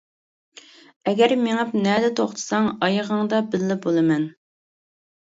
ئەگەر مېڭىپ نەدە توختىساڭ، ئايىغىڭدا بىللە بولىمەن.